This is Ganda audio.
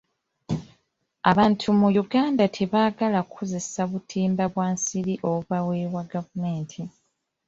Abantu mu Uganda tebaagala kukozesa butimba bwa nsiri obubaweebwa gavumenti.